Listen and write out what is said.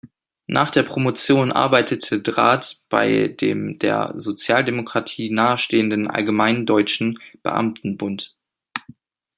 Nach der Promotion arbeitete Drath bei dem der Sozialdemokratie nahestehenden Allgemeinen Deutschen Beamtenbund.